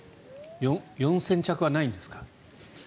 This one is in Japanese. ４０００着はないんですか？